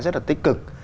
rất là tích cực